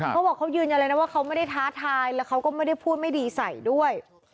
เขาบอกว่ายืนอะไรนะว่าเขาท้าทายแล้วก็ไม่ได้พูดไม่ดีใสด้วย